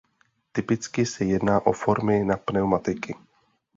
Typicky se jedná o formy na pneumatiky.